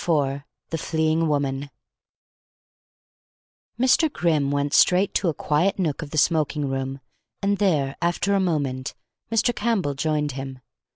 IV THE FLEEING WOMAN Mr. Grimm went straight to a quiet nook of the smoking room and there, after a moment, Mr. Campbell joined him.